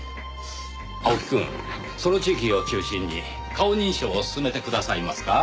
青木くんその地域を中心に顔認証を進めてくださいますか？